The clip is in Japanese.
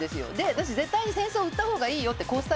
私、絶対に扇子を売ったほうがいいよって。